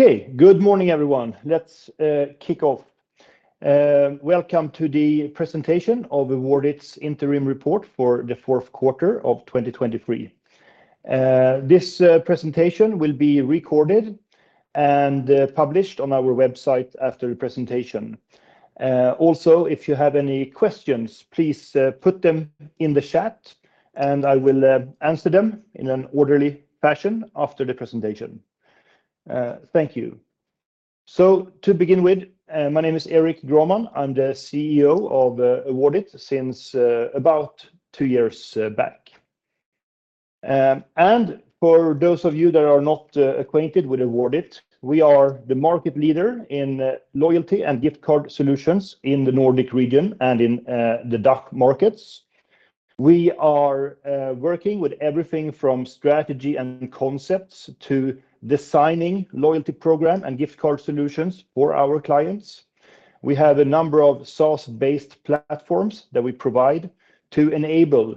Okay. Good morning, everyone. Let's kick off. Welcome to the presentation of Awardit's interim report for the Q4 of 2023. This presentation will be recorded and published on our website after the presentation. Also, if you have any questions, please put them in the chat, and I will answer them in an orderly fashion after the presentation. Thank you. So to begin with, my name is Erik Grohman. I'm the CEO of Awardit since about two years back. And for those of you that are not acquainted with Awardit, we are the market leader in loyalty and gift card solutions in the Nordic region and in the DACH markets. We are working with everything from strategy and concepts to designing loyalty program and gift card solutions for our clients. We have a number of source-based platforms that we provide to enable,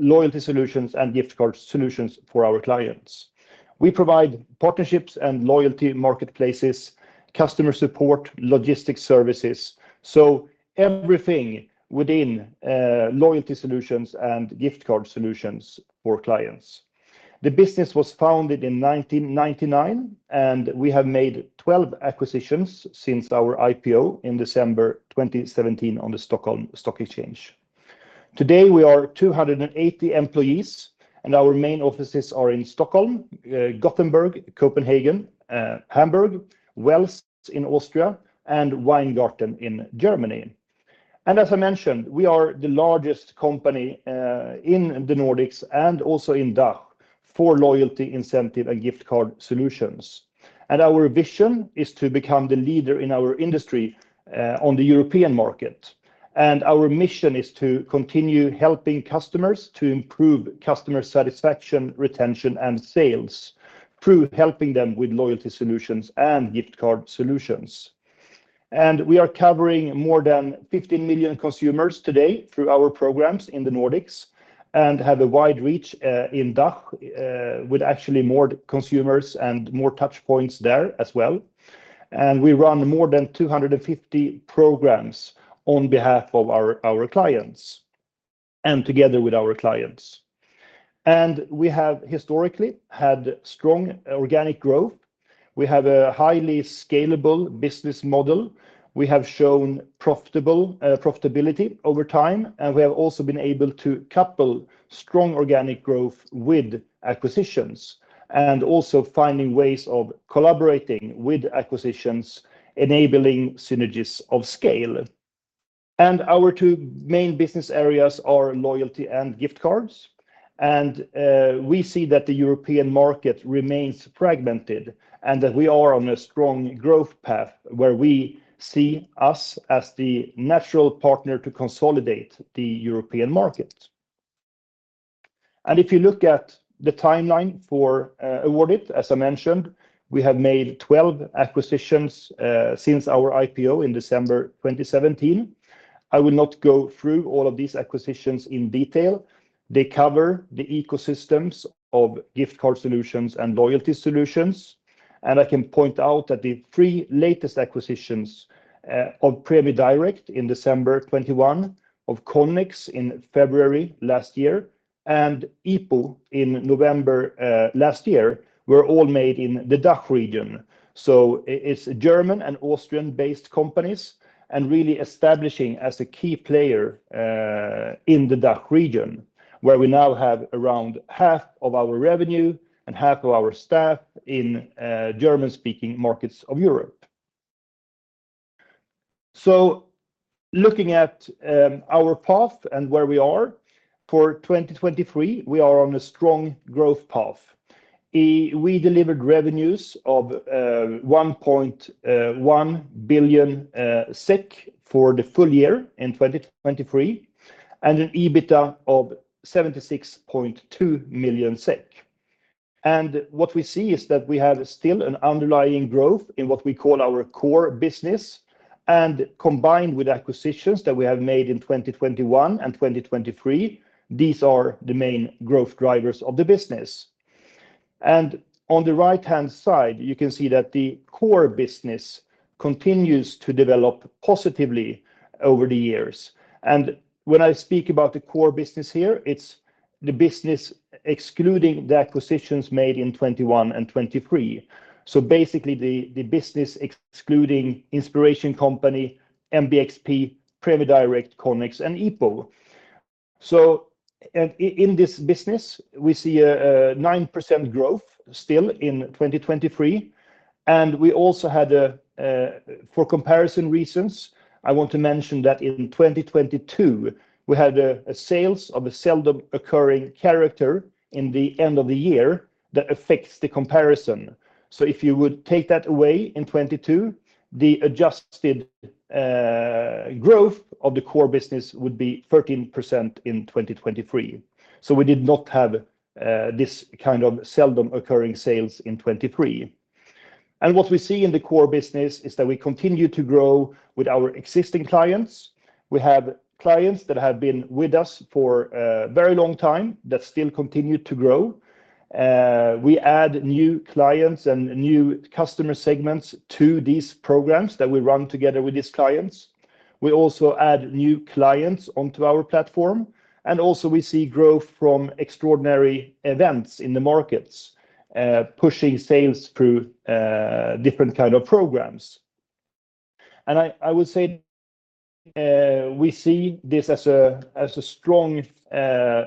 loyalty solutions and gift card solutions for our clients. We provide partnerships and loyalty marketplaces, customer support, logistics services, so everything within, loyalty solutions and gift card solutions for clients. The business was founded in 1999, and we have made 12 acquisitions since our IPO in December 2017 on the Stockholm Stock Exchange. Today, we are 280 employees, and our main offices are in Stockholm, Gothenburg, Copenhagen, Hamburg, Wels in Austria, and Weingarten in Germany. As I mentioned, we are the largest company in the Nordics and also in DACH for loyalty, incentive, and gift card solutions. Our vision is to become the leader in our industry on the European market. Our mission is to continue helping customers to improve customer satisfaction, retention, and sales through helping them with loyalty solutions and gift card solutions. We are covering more than 15 million consumers today through our programs in the Nordics and have a wide reach in DACH with actually more consumers and more touchpoints there as well. We run more than 250 programs on behalf of our clients and together with our clients. We have historically had strong organic growth. We have a highly scalable business model. We have shown profitable profitability over time, and we have also been able to couple strong organic growth with acquisitions, and also finding ways of collaborating with acquisitions, enabling synergies of scale. Our two main business areas are loyalty and gift cards, and we see that the European market remains fragmented, and that we are on a strong growth path, where we see us as the natural partner to consolidate the European market. If you look at the timeline for Awardit, as I mentioned, we have made 12 acquisitions since our IPO in December 2017. I will not go through all of these acquisitions in detail. They cover the ecosystems of gift card solutions and loyalty solutions, and I can point out that the 3 latest acquisitions of Prämie Direkt in December 2021, of Connex in February last year, and IPO in November last year were all made in the DACH region. So it's German and Austrian-based companies, and really establishing as a key player in the DACH region, where we now have around half of our revenue and half of our staff in German-speaking markets of Europe. So looking at our path and where we are for 2023, we are on a strong growth path. We delivered revenues of 1.1 billion SEK for the full year in 2023, and an EBITDA of 76.2 million SEK. And what we see is that we have still an underlying growth in what we call our core business, and combined with acquisitions that we have made in 2021 and 2023, these are the main growth drivers of the business. And on the right-hand side, you can see that the core business continues to develop positively over the years. When I speak about the core business here, it's the business excluding the acquisitions made in 2021 and 2023. So basically, the business excluding Inspiration Company, MBXP, Prämie Direkt, Connex, and IPO. So, in this business, we see a 9% growth still in 2023, and we also had a... For comparison reasons, I want to mention that in 2022, we had a sales of a seldom occurring character in the end of the year that affects the comparison. So if you would take that away in 2022, the adjusted growth of the core business would be 13% in 2023. So we did not have this kind of seldom occurring sales in 2023. And what we see in the core business is that we continue to grow with our existing clients.... We have clients that have been with us for a very long time that still continue to grow. We add new clients and new customer segments to these programs that we run together with these clients. We also add new clients onto our platform, and also we see growth from extraordinary events in the markets, pushing sales through different kind of programs. I would say we see this as a strong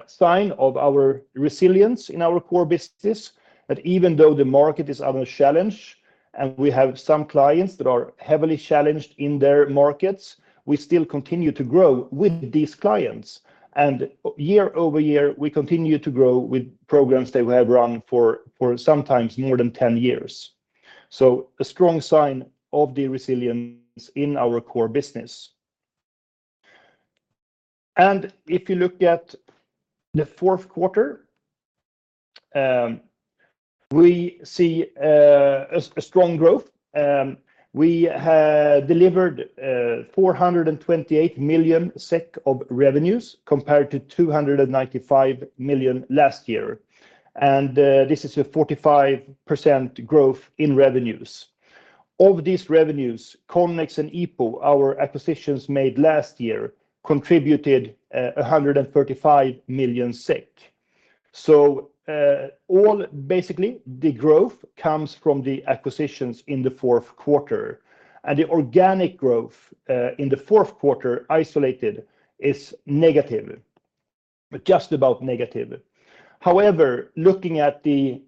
sign of our resilience in our core business, that even though the market is under challenge and we have some clients that are heavily challenged in their markets, we still continue to grow with these clients. Year-over-year, we continue to grow with programs that we have run for sometimes more than 10 years. So a strong sign of the resilience in our core business. If you look at the Q4, we see a strong growth. We have delivered 428 million SEK of revenues, compared to 295 million last year. This is a 45% growth in revenues. Of these revenues, Connex and IPO, our acquisitions made last year, contributed 135 million. So all basically, the growth comes from the acquisitions in the Q4. The organic growth in the Q4, isolated, is negative, but just about negative. However, looking at the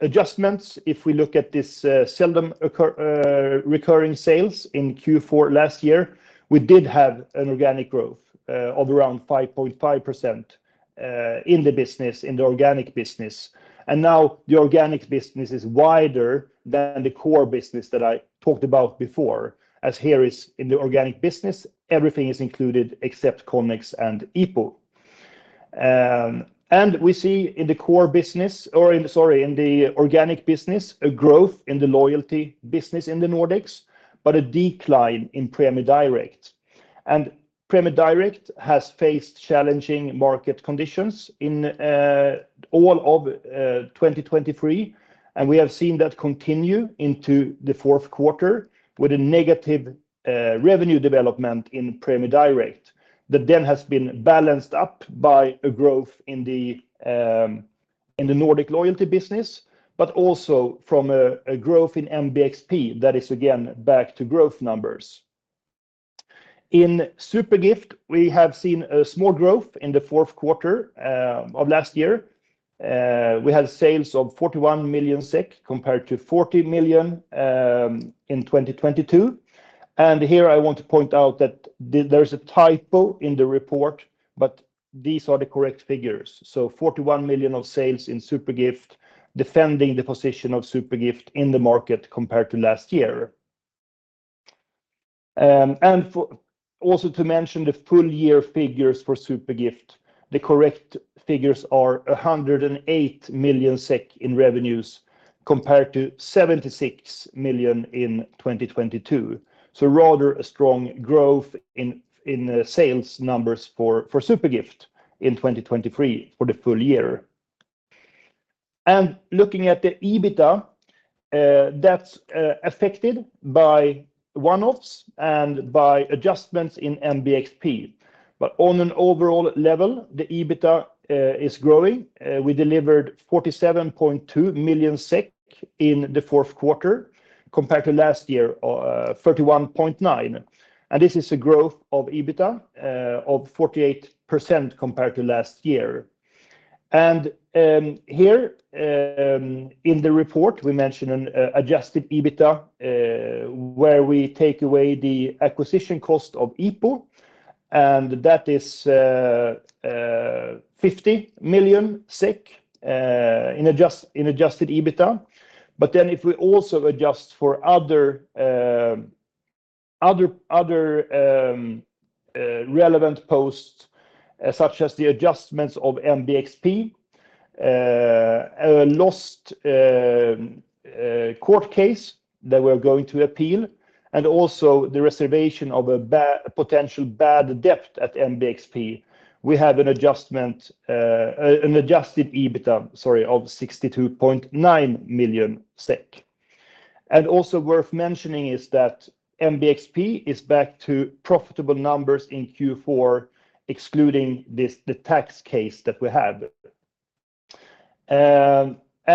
adjustments, if we look at this seldom occurring sales in Q4 last year, we did have an organic growth of around 5.5% in the business, in the organic business. And now the organic business is wider than the core business that I talked about before, as here in the organic business, everything is included except Connex and IPO. And we see in the core business, or in, sorry, in the organic business, a growth in the loyalty business in the Nordics, but a decline in Prämie Direkt. And Prämie Direkt has faced challenging market conditions in all of 2023, and we have seen that continue into the Q4 with a negative revenue development in Prämie Direkt. That then has been balanced up by a growth in the Nordic loyalty business, but also from a growth in MBXP that is again back to growth numbers. In SuperGift, we have seen a small growth in the Q4 of last year. We had sales of 41 million SEK, compared to 40 million in 2022. Here I want to point out that there is a typo in the report, but these are the correct figures. So 41 million of sales in SuperGift, defending the position of SuperGift in the market compared to last year. Also to mention the full year figures for SuperGift, the correct figures are 108 million SEK in revenues, compared to 76 million in 2022. So rather a strong growth in the sales numbers for SuperGift in 2023 for the full year. And looking at the EBITDA, that's affected by one-offs and by adjustments in MBXP. But on an overall level, the EBITDA is growing. We delivered 47.2 million SEK in the Q4 compared to last year, 31.9. This is a growth of EBITDA of 48% compared to last year. Here, in the report, we mention an adjusted EBITDA where we take away the acquisition cost of IPO, and that is SEK 50 million in adjusted EBITDA. But then if we also adjust for other relevant posts, such as the adjustments of MBXP, a lost court case that we're going to appeal, and also the reservation of a potential bad debt at MBXP, we have an adjusted EBITDA, sorry, of 62.9 million SEK. Also worth mentioning is that MBXP is back to profitable numbers in Q4, excluding this, the tax case that we had.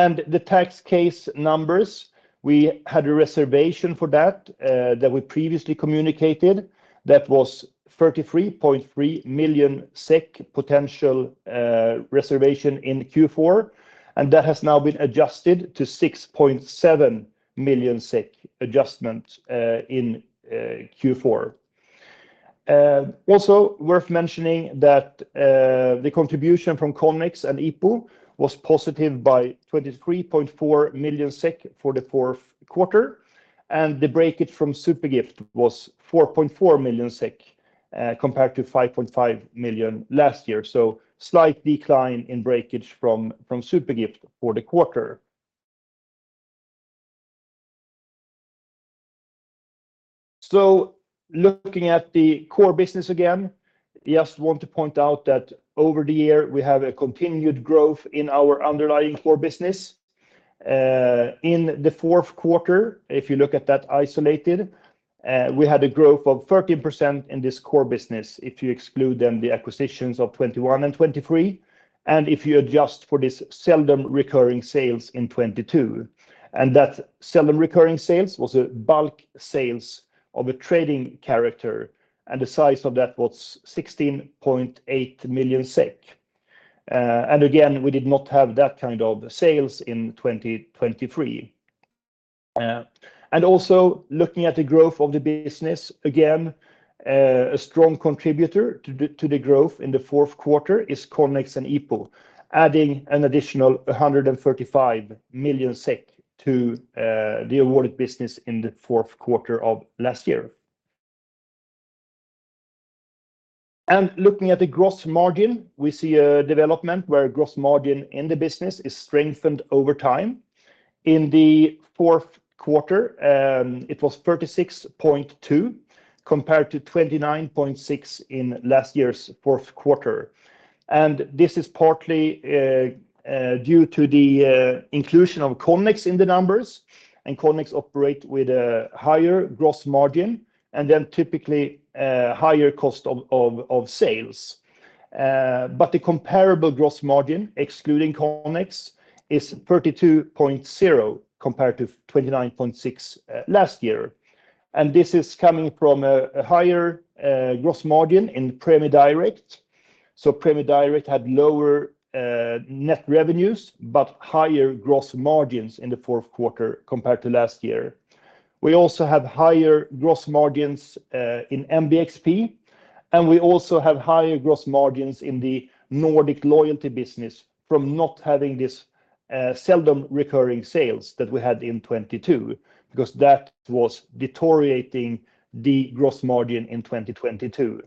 And the tax case numbers, we had a reservation for that, that we previously communicated. That was 33.3 million SEK potential reservation in Q4, and that has now been adjusted to 6.7 million SEK adjustment in Q4. Also worth mentioning that, the contribution from Connex and IPO was positive by 23.4 million SEK for the Q4, and the breakage from SuperGift was 4.4 million SEK, compared to 5.5 million last year. So slight decline in breakage from SuperGift for the quarter. So looking at the core business again, just want to point out that over the year, we have a continued growth in our underlying core business. In the Q4, if you look at that isolated, we had a growth of 13% in this core business, if you exclude then the acquisitions of 2021 and 2023, and if you adjust for this Seldom Occurring Sales in 2022. That Seldom Occurring Sales was a bulk sales of a trading character, and the size of that was 16.8 million SEK. Again, we did not have that kind of sales in 2023. Also looking at the growth of the business, again, a strong contributor to the growth in the Q4 is Connex and IPO, adding an additional 135 million SEK to the Awardit business in the Q4 of last year. Looking at the gross margin, we see a development where gross margin in the business is strengthened over time. In the Q4, it was 36.2%, compared to 29.6% in last year's Q4. This is partly due to the inclusion of Connex in the numbers, and Connex operate with a higher gross margin and then typically higher cost of sales. But the comparable gross margin, excluding Connex, is 32.0%, compared to 29.6% last year. This is coming from a higher gross margin in Prämie Direkt. Prämie Direkt had lower net revenues, but higher gross margins in the Q4 compared to last year. We also have higher gross margins in MBXP, and we also have higher gross margins in the Nordic loyalty business from not having this seldom occurring sales that we had in 2022, because that was deteriorating the gross margin in 2022.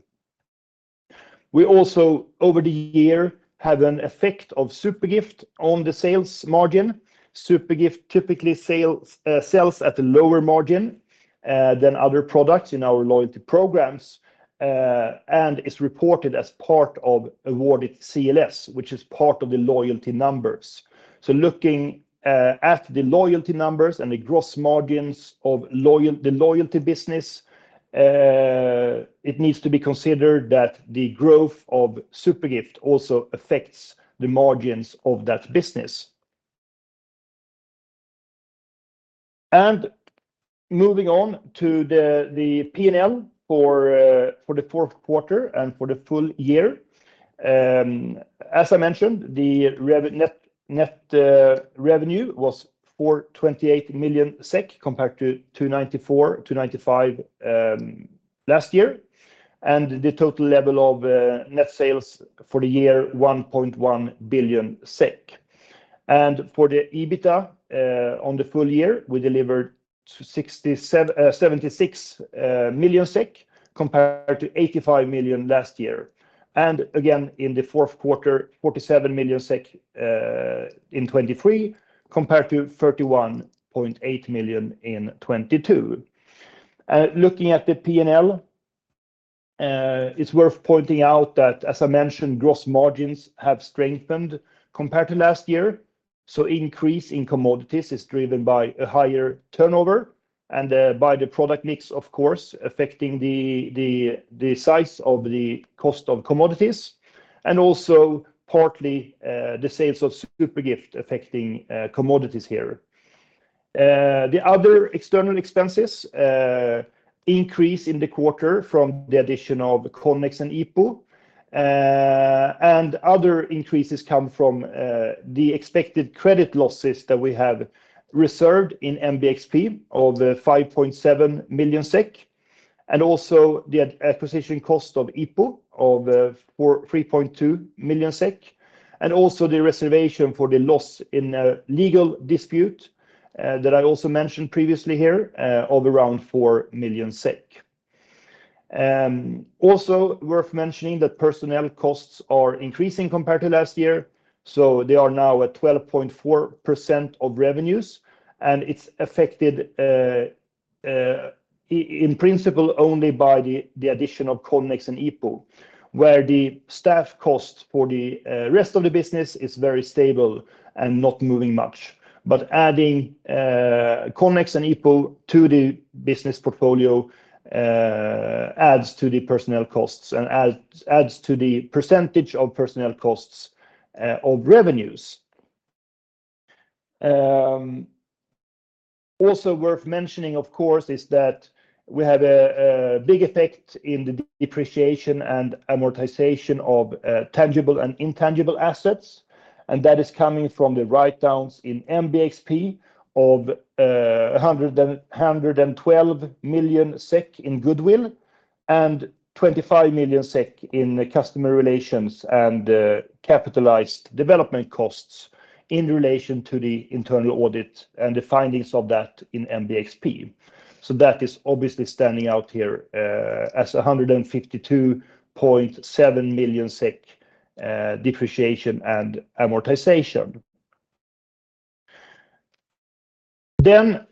We also, over the year, had an effect of SuperGift on the sales margin. SuperGift typically sells at a lower margin than other products in our loyalty programs, and is reported as part of Awardit CLS, which is part of the loyalty numbers. So looking at the loyalty numbers and the gross margins of the loyalty business, it needs to be considered that the growth of SuperGift also affects the margins of that business. And moving on to the P&L for the Q4 and for the full year. As I mentioned, the Awardit net revenue was 428 million SEK, compared to 294, 295 last year, and the total level of net sales for the year, 1.1 billion SEK. For the EBITDA on the full year, we delivered 76 million SEK compared to 85 million last year. And again, in the Q4, 47 million SEK in 2023, compared to 31.8 million in 2022. Looking at the P&L, it's worth pointing out that, as I mentioned, gross margins have strengthened compared to last year, so increase in commodities is driven by a higher turnover and by the product mix, of course, affecting the size of the cost of commodities, and also partly the sales of SuperGift affecting commodities here. The other external expenses increase in the quarter from the addition of Connex and IPO. Other increases come from the expected credit losses that we have reserved in MBXP of 5.7 million SEK, and also the acquisition cost of IPO of 43.2 million SEK, and also the reservation for the loss in a legal dispute that I also mentioned previously here of around 4 million. Also worth mentioning that personnel costs are increasing compared to last year, so they are now at 12.4% of revenues, and it's affected in principle only by the addition of Connex and IPO, where the staff cost for the rest of the business is very stable and not moving much. But adding Connex and IPO to the business portfolio adds to the personnel costs and adds to the percentage of personnel costs of revenues. Also worth mentioning, of course, is that we have a big effect in the depreciation and amortization of tangible and intangible assets, and that is coming from the write-downs in MBXP of 112 million SEK in goodwill and 25 million SEK in customer relations and capitalized development costs in relation to the internal audit and the findings of that in MBXP. So that is obviously standing out here as 152.7 million SEK depreciation and amortization. Then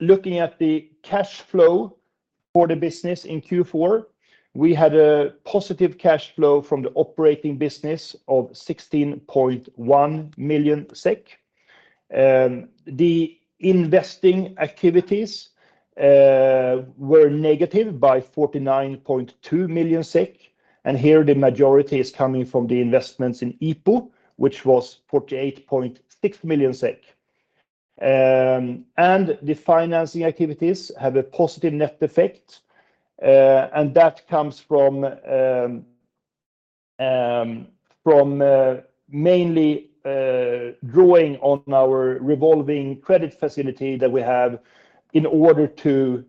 looking at the cash flow for the business in Q4, we had a positive cash flow from the operating business of 16.1 million SEK. The investing activities were negative by 49.2 million SEK, and here the majority is coming from the investments in IPO, which was 48.6 million SEK. The financing activities have a positive net effect, and that comes from mainly drawing on our revolving credit facility that we have in order to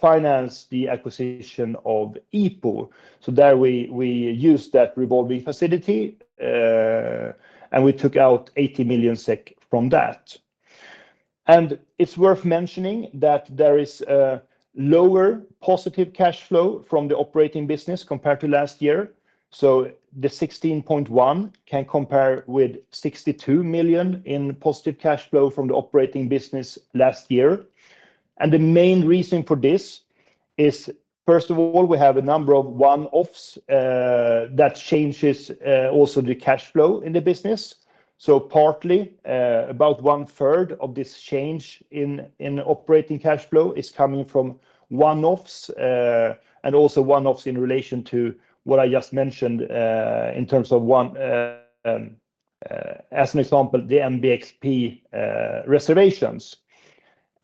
finance the acquisition of IPO. So there we use that revolving facility, and we took out 80 million SEK from that. It's worth mentioning that there is a lower positive cash flow from the operating business compared to last year. So the 16.1 million can compare with 62 million in positive cash flow from the operating business last year. The main reason for this is, first of all, we have a number of one-offs that changes also the cash flow in the business. So partly, about one-third of this change in operating cash flow is coming from one-offs, and also one-offs in relation to what I just mentioned, in terms of one, as an example, the MBXP reservations.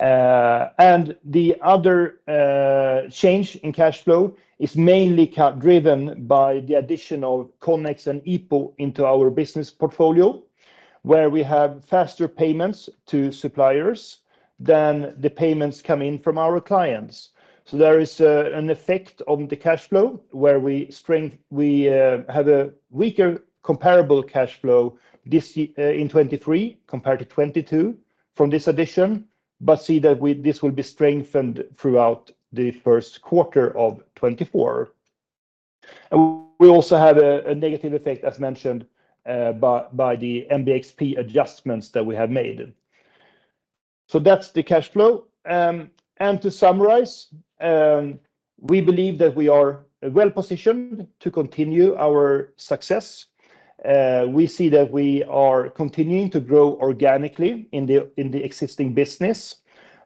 And the other change in cash flow is mainly driven by the additional Connex and IPO into our business portfolio, where we have faster payments to suppliers than the payments coming from our clients. So there is an effect on the cash flow where we have a weaker comparable cash flow this year in 2023 compared to 2022 from this addition, but we see that this will be strengthened throughout the Q1 of 2024. And we also have a negative effect, as mentioned, by the MBXP adjustments that we have made. So that's the cash flow. And to summarize, we believe that we are well-positioned to continue our success. We see that we are continuing to grow organically in the existing business.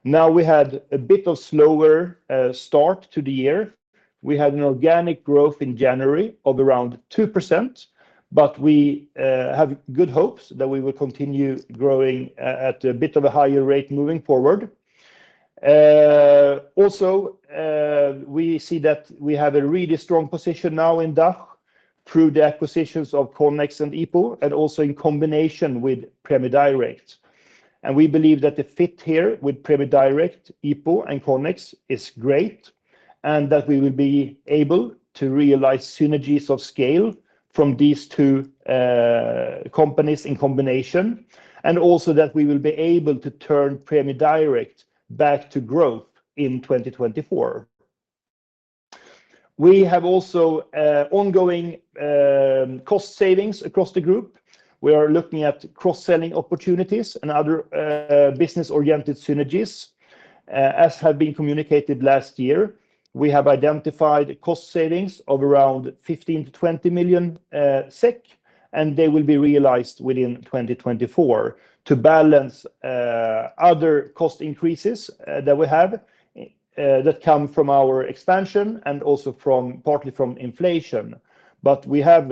Now, we had a bit slower start to the year. We had an organic growth in January of around 2%, but we have good hopes that we will continue growing at a bit of a higher rate moving forward. Also, we see that we have a really strong position now in DACH through the acquisitions of Connex and IPO, and also in combination with Prämie Direkt. We believe that the fit here with Prämie Direkt, IPO, and Connex is great, and that we will be able to realize synergies of scale from these two, companies in combination, and also that we will be able to turn Prämie Direkt back to growth in 2024. We have also ongoing cost savings across the group. We are looking at cross-selling opportunities and other, business-oriented synergies. As have been communicated last year, we have identified cost savings of around 15 million-20 million SEK, and they will be realized within 2024 to balance other cost increases that we have that come from our expansion and also from, partly from inflation. But we have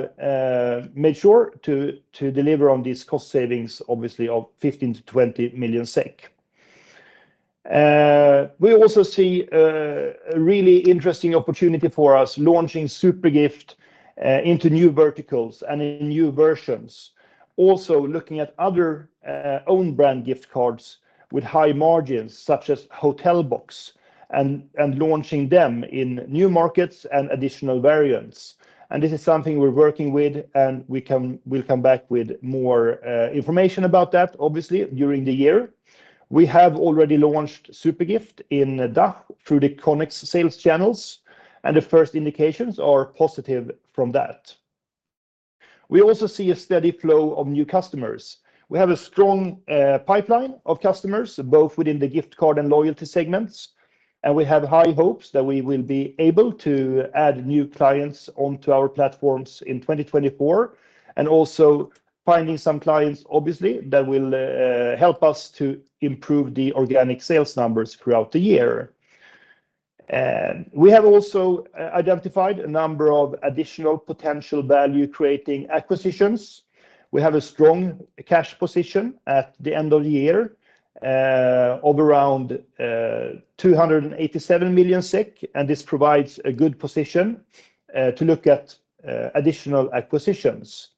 made sure to deliver on these cost savings, obviously, of 15-20 million SEK. We also see a really interesting opportunity for us launching SuperGift into new verticals and in new versions. Also, looking at other own brand gift cards with high margins, such as Hotelbox, and launching them in new markets and additional variants. And this is something we're working with, and we'll come back with more information about that, obviously, during the year. We have already launched SuperGift in DACH through the Connex sales channels, and the first indications are positive from that. We also see a steady flow of new customers. We have a strong pipeline of customers, both within the gift card and loyalty segments, and we have high hopes that we will be able to add new clients onto our platforms in 2024, and also finding some clients, obviously, that will help us to improve the organic sales numbers throughout the year. We have also identified a number of additional potential value-creating acquisitions. We have a strong cash position at the end of the year of around 287 million SEK, and this provides a good position to look at additional acquisitions.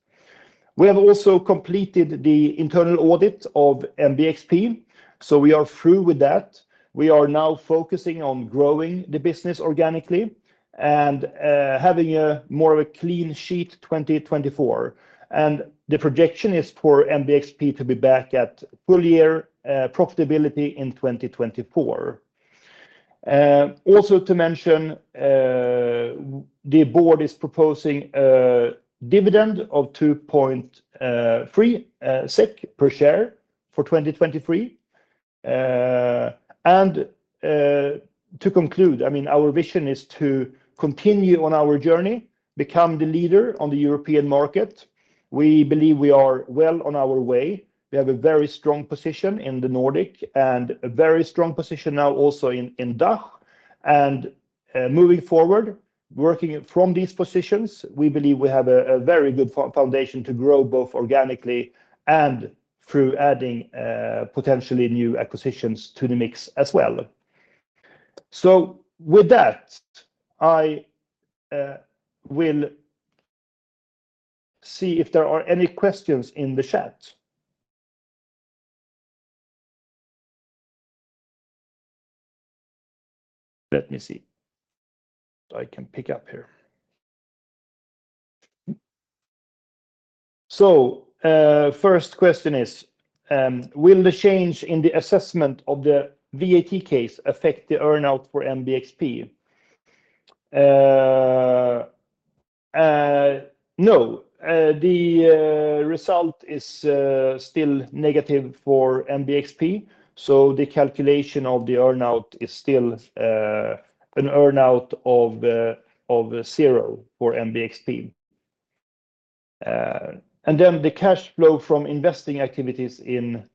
We have also completed the internal audit of MBXP, so we are through with that. We are now focusing on growing the business organically and having more of a clean sheet 2024. The projection is for MBXP to be back at full year profitability in 2024. Also, to mention, the board is proposing a dividend of 2.3 SEK per share for 2023. To conclude, I mean, our vision is to continue on our journey, become the leader on the European market. We believe we are well on our way. We have a very strong position in the Nordic, and a very strong position now also in DACH. Moving forward, working from these positions, we believe we have a very good foundation to grow, both organically and through adding potentially new acquisitions to the mix as well. With that, I will see if there are any questions in the chat. Let me see. So I can pick up here. So, first question is: "Will the change in the assessment of the VAT case affect the earn-out for MBXP?" No. The result is still negative for MBXP, so the calculation of the earn-out is still an earn-out of zero for MBXP. And then the cash flow from investing activities in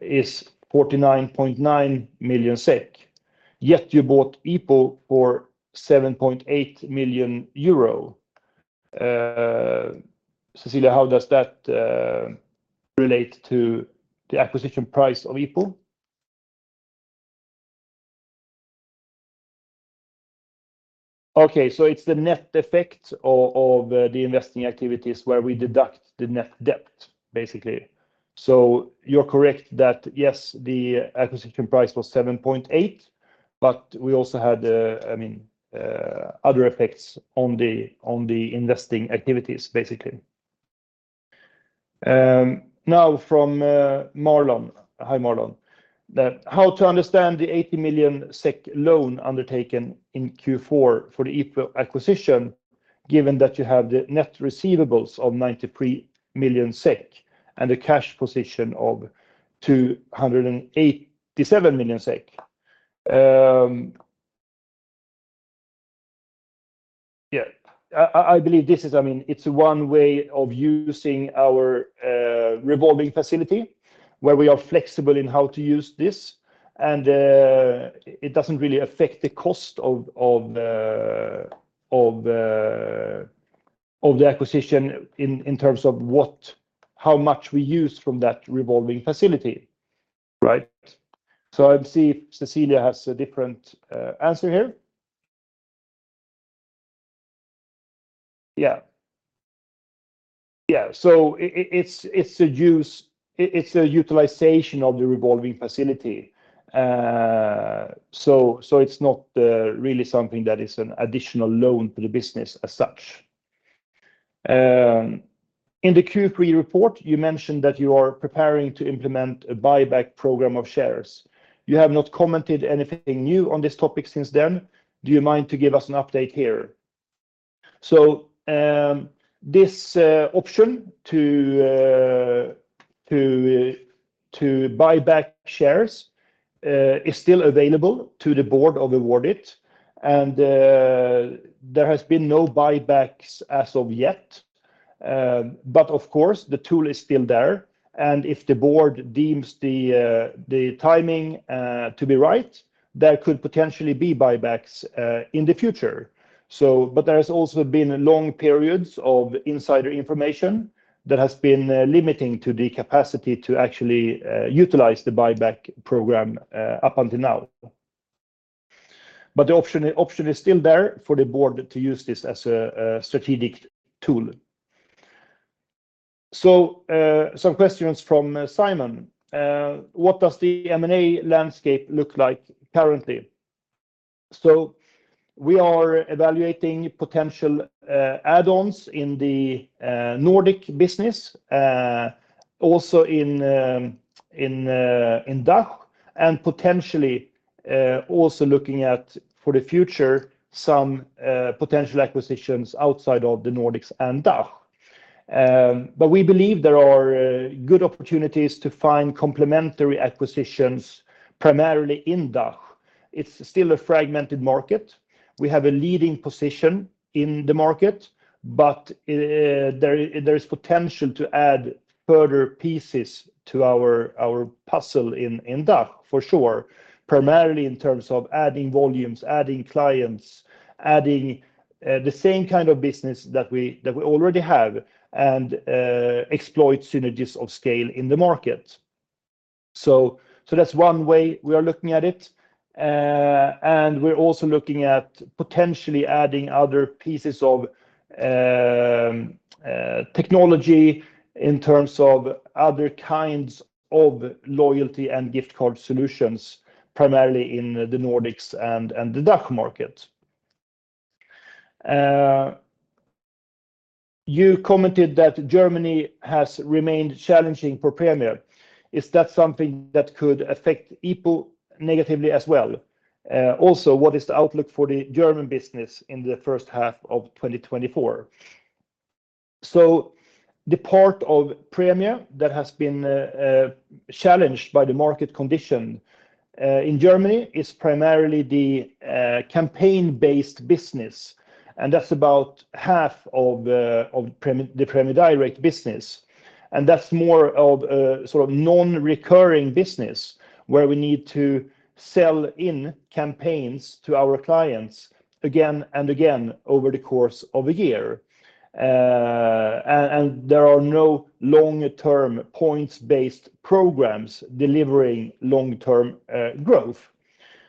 is 49.9 million SEK, yet you bought IPO for 7.8 million euro. Cecilia, how does that relate to the acquisition price of IPO? Okay, so it's the net effect of the investing activities where we deduct the net debt, basically. So you're correct that, yes, the acquisition price was 7.8, but we also had, I mean, other effects on the investing activities, basically. Now from Marlon. Hi, Marlon. The... How to understand the 80 million SEK loan undertaken in Q4 for the IPO acquisition, given that you have the net receivables of 93 million SEK and a cash position of 287 million SEK?" Yeah, I believe this is, I mean, it's one way of using our revolving facility, where we are flexible in how to use this, and it doesn't really affect the cost of the acquisition in terms of what, how much we use from that revolving facility. Right? So I'll see if Cecilia has a different answer here. Yeah. Yeah, so it's a use, it's a utilization of the revolving facility. So it's not really something that is an additional loan to the business as such. In the Q3 report, you mentioned that you are preparing to implement a buyback program of shares. You have not commented anything new on this topic since then. Do you mind to give us an update here?" So, this option to buy back shares is still available to the board of Awardit, and there has been no buybacks as of yet. But of course, the tool is still there, and if the board deems the timing to be right, there could potentially be buybacks in the future. But there has also been long periods of insider information that has been limiting to the capacity to actually utilize the buyback program up until now. But the option is still there for the board to use this as a strategic tool. So, some questions from, Simon: "What does the M&A landscape look like currently?" So we are evaluating potential add-ons in the Nordic business, also in DACH, and potentially also looking at, for the future, some potential acquisitions outside of the Nordics and DACH. But we believe there are good opportunities to find complementary acquisitions, primarily in DACH. It's still a fragmented market. We have a leading position in the market, but there is potential to add further pieces to our puzzle in DACH, for sure, primarily in terms of adding volumes, adding clients, adding the same kind of business that we already have, and exploit synergies of scale in the market. So that's one way we are looking at it. And we're also looking at potentially adding other pieces of technology in terms of other kinds of loyalty and gift card solutions, primarily in the Nordics and the DACH market. You commented that Germany has remained challenging for Prämie Direkt. Is that something that could affect IPO negatively as well? Also, what is the outlook for the German business in the first half of 2024? So the part of Prämie Direkt that has been challenged by the market condition in Germany is primarily the campaign-based business, and that's about half of the Prämie Direkt business. And that's more of a sort of non-recurring business, where we need to sell in campaigns to our clients again and again over the course of a year. And there are no long-term points-based programs delivering long-term growth.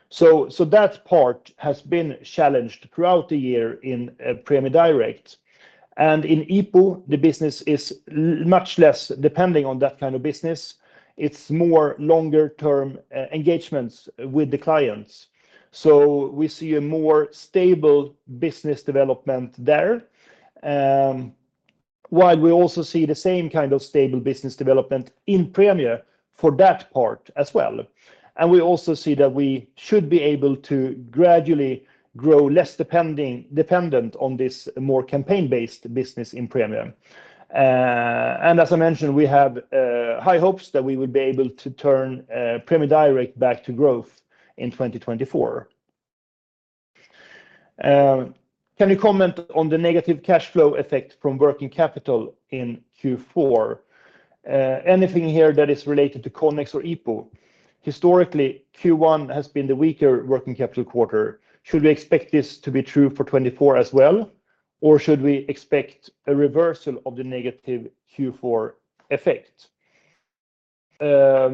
So, so that part has been challenged throughout the year in Prämie Direkt. And in IPO, the business is much less depending on that kind of business. It's more longer-term engagements with the clients. So we see a more stable business development there, while we also see the same kind of stable business development in Prämie for that part as well. And we also see that we should be able to gradually grow less depending, dependent on this more campaign-based business in Prämie. And as I mentioned, we have high hopes that we would be able to turn Prämie Direkt back to growth in 2024. Can you comment on the negative cash flow effect from working capital in Q4? Anything here that is related to Connex or IPO? Historically, Q1 has been the weaker working capital quarter. Should we expect this to be true for 2024 as well, or should we expect a reversal of the negative Q4 effect? I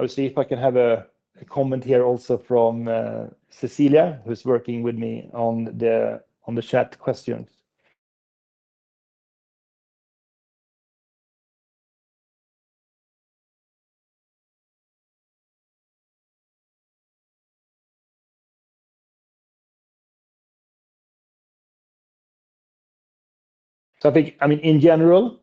will see if I can have a comment here also from Cecilia, who's working with me on the chat questions. So I think, I mean, in general,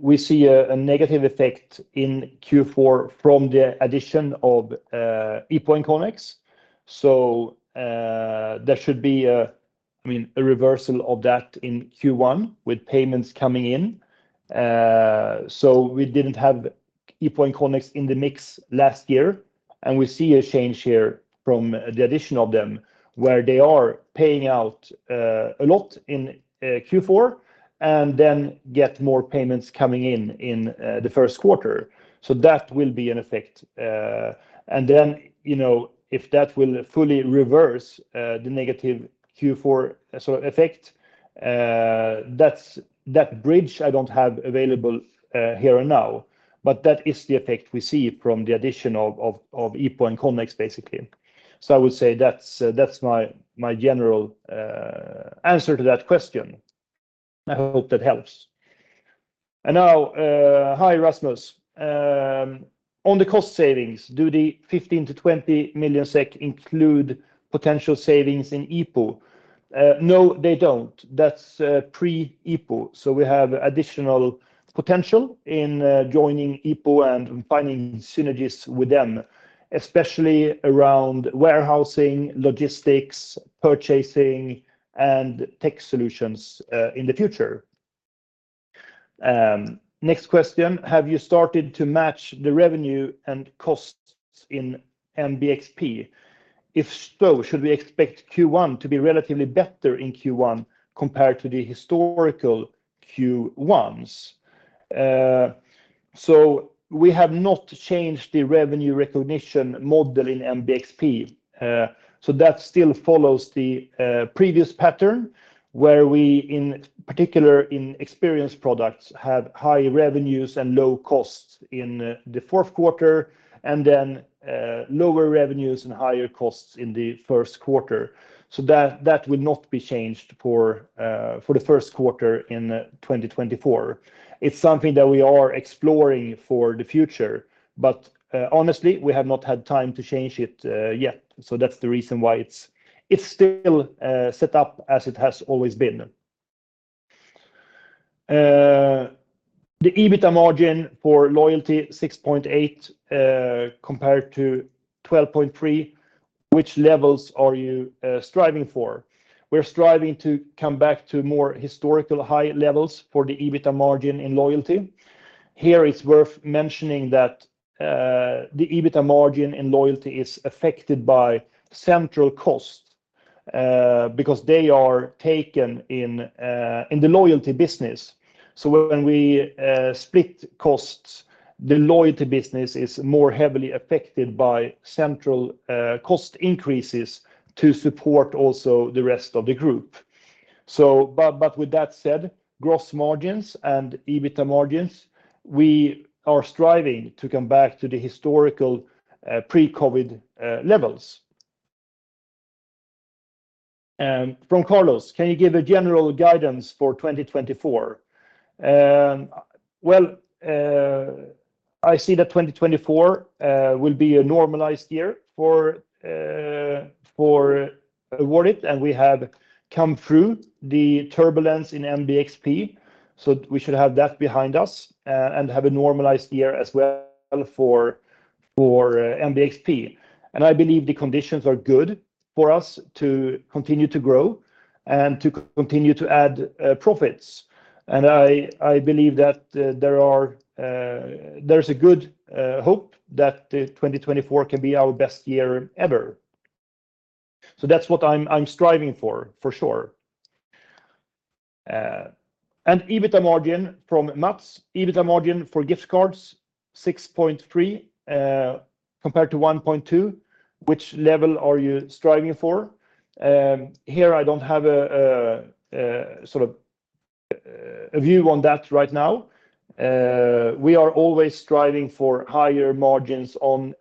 we see a negative effect in Q4 from the addition of IPO and Connex. So, there should be, I mean, a reversal of that in Q1 with payments coming in. So we didn't have IPO and Connex in the mix last year, and we see a change here from the addition of them, where they are paying out a lot in Q4, and then get more payments coming in in the Q1. So that will be an effect. And then, you know, if that will fully reverse the negative Q4 sort of effect, that's that bridge I don't have available here and now, but that is the effect we see from the addition of IPO and Connex, basically. So I would say that's my general answer to that question. I hope that helps. And now, hi, Rasmus. On the cost savings, do the 15 million-20 million SEK include potential savings in IPO? No, they don't. That's pre-IPO. So we have additional potential in joining IPO and finding synergies with them, especially around warehousing, logistics, purchasing, and tech solutions in the future. Next question: Have you started to match the revenue and costs in MBXP? If so, should we expect Q1 to be relatively better in Q1 compared to the historical Q1s? So we have not changed the revenue recognition model in MBXP. So that still follows the, previous pattern, where we, in particular in experienced products, have high revenues and low costs in, the Q4, and then, lower revenues and higher costs in the Q1. So that, that will not be changed for, for the Q1 in 2024. It's something that we are exploring for the future, but, honestly, we have not had time to change it, yet. So that's the reason why it's, it's still, set up as it has always been. The EBITDA margin for loyalty, 6.8, compared to 12.3, which levels are you, striving for? We're striving to come back to more historical high levels for the EBITDA margin in loyalty. Here, it's worth mentioning that, the EBITDA margin in loyalty is affected by central cost, because they are taken in, in the loyalty business. So when we, split costs, the loyalty business is more heavily affected by central, cost increases to support also the rest of the group. But with that said, gross margins and EBITDA margins, we are striving to come back to the historical, pre-COVID, levels.... From Carlos: Can you give a general guidance for 2024? Well, I see that 2024 will be a normalized year for Awardit, and we have come through the turbulence in MBXP, so we should have that behind us, and have a normalized year as well for MBXP. And I believe the conditions are good for us to continue to grow and to continue to add profits. And I believe that there is a good hope that 2024 can be our best year ever. So that's what I'm striving for, for sure. And EBITDA margin from Mats. EBITDA margin for gift cards, 6.3 compared to 1.2, which level are you striving for? Here, I don't have a sort of a view on that right now. We are always striving for higher margins on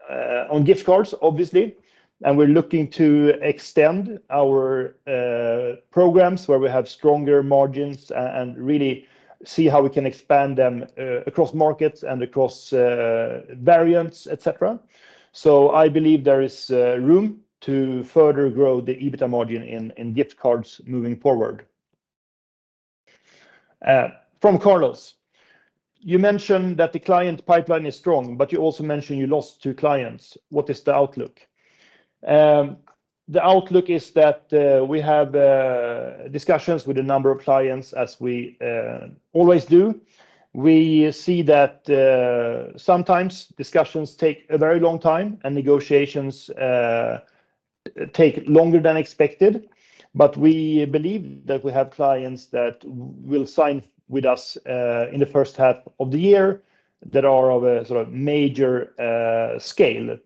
gift cards, obviously, and we're looking to extend our programs where we have stronger margins, and really see how we can expand them across markets and across variants, et cetera. So I believe there is room to further grow the EBITDA margin in gift cards moving forward. From Carlos: You mentioned that the client pipeline is strong, but you also mentioned you lost two clients. What is the outlook? The outlook is that we have discussions with a number of clients, as we always do. We see that sometimes discussions take a very long time, and negotiations take longer than expected. But we believe that we have clients that will sign with us in the first half of the year that are of a sort of major scale.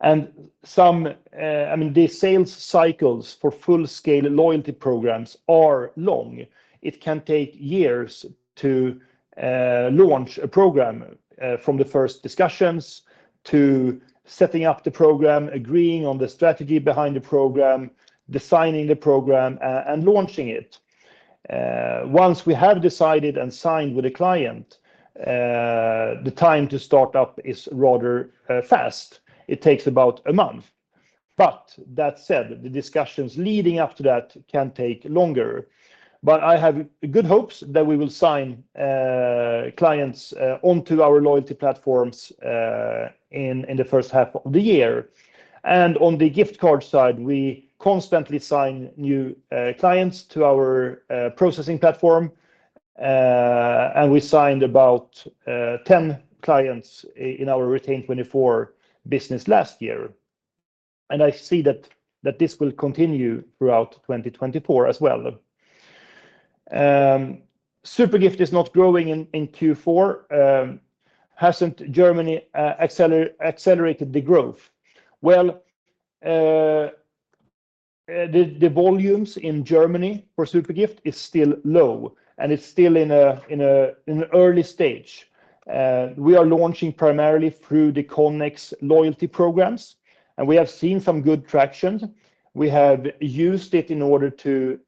And some... I mean, the sales cycles for full-scale loyalty programs are long. It can take years to launch a program from the first discussions to setting up the program, agreeing on the strategy behind the program, designing the program, and launching it. Once we have decided and signed with a client, the time to start up is rather fast. It takes about a month. But that said, the discussions leading up to that can take longer. But I have good hopes that we will sign clients onto our loyalty platforms in the first half of the year. On the gift card side, we constantly sign new clients to our processing platform. We signed about 10 clients in our Retain24 business last year, and I see that this will continue throughout 2024 as well. SuperGift is not growing in Q4. Hasn't Germany accelerated the growth? Well, the volumes in Germany for SuperGift is still low, and it's still in an early stage. We are launching primarily through the Connex loyalty programs, and we have seen some good traction. We have used it in order to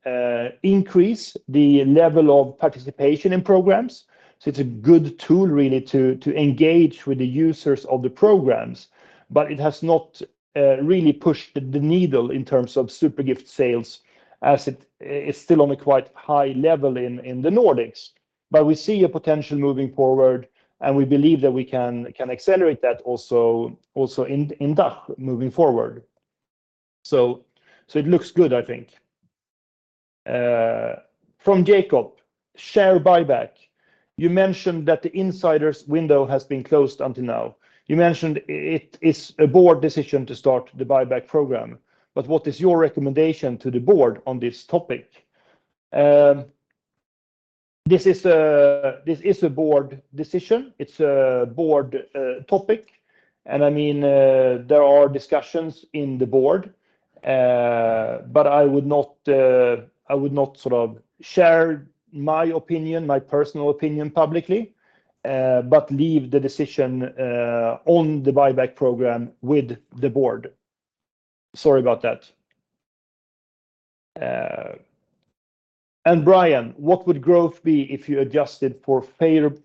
increase the level of participation in programs. So it's a good tool, really, to engage with the users of the programs, but it has not really pushed the needle in terms of SuperGift sales as it is still on a quite high level in the Nordics. But we see a potential moving forward, and we believe that we can accelerate that also in DACH moving forward. So it looks good, I think. From Jacob: Share buyback. You mentioned that the insiders window has been closed until now. You mentioned it is a board decision to start the buyback program, but what is your recommendation to the board on this topic? This is a board decision. It's a board topic, and I mean, there are discussions in the board, but I would not, I would not sort of share my opinion, my personal opinion publicly, but leave the decision on the buyback program with the board. Sorry about that. Brian: What would growth be if you adjusted for favorable,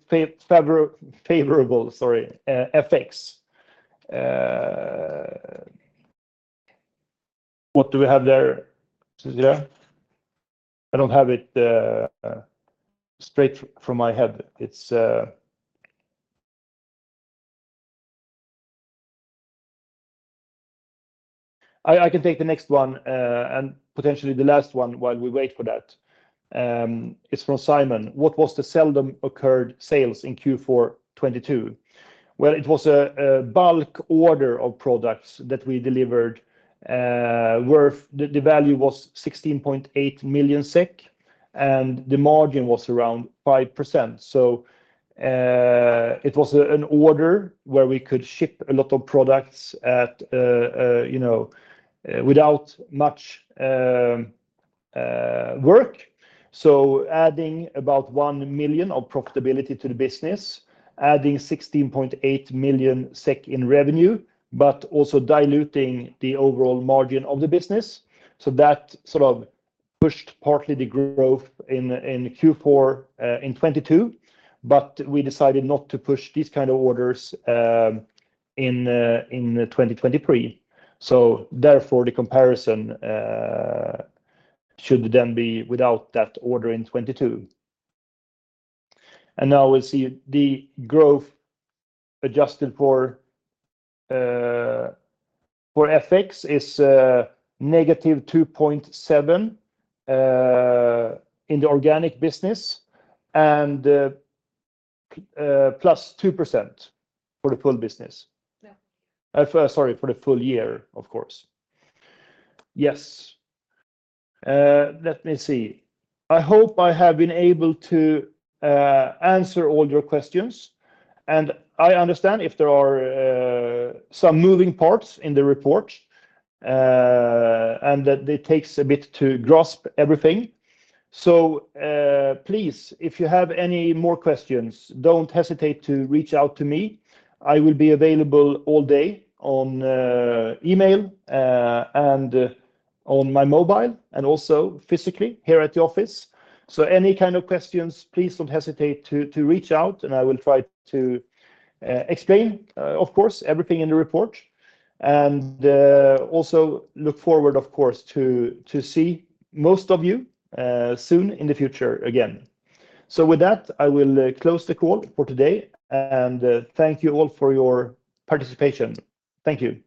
sorry, FX? What do we have there, Cecilia? I don't have it straight from my head. It's... I can take the next one, and potentially the last one while we wait for that. It's from Simon: What was the seldom occurring sales in Q4 2022? Well, it was a bulk order of products that we delivered, worth... The value was 16.8 million SEK, and the margin was around 5%. So, it was an order where we could ship a lot of products at, you know, without much work. So adding about 1 million of profitability to the business, adding 16.8 million SEK in revenue, but also diluting the overall margin of the business. So that sort of pushed partly the growth in Q4 in 2022, but we decided not to push these kind of orders in 2023. So therefore, the comparison should then be without that order in 2022. And now we'll see the growth adjusted for FX is -2.7% in the organic business and +2% for the full business. Yeah. Sorry, for the full year, of course. Yes. Let me see. I hope I have been able to answer all your questions, and I understand if there are some moving parts in the report, and that it takes a bit to grasp everything. So, please, if you have any more questions, don't hesitate to reach out to me. I will be available all day on email, and on my mobile, and also physically here at the office. So any kind of questions, please don't hesitate to reach out, and I will try to explain, of course, everything in the report. And, also look forward, of course, to see most of you soon in the future again. So with that, I will close the call for today, and thank you all for your participation. Thank you.